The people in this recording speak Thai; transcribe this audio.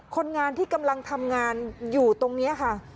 คนงานที่กำลังทำงานอยู่ตรงนี้ค่ะ